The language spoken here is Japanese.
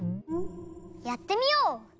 やってみよう。